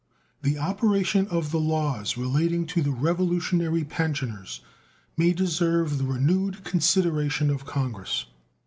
The operation of the laws relating to the Revolutionary pensioners may deserve the renewed consideration of Congress.